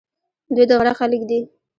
دوی د غره خلک دي.